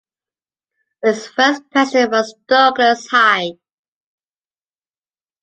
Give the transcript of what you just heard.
Its first president was Douglas Hyde.